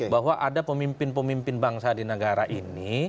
bahwa ada pemimpin pemimpin bangsa di negara ini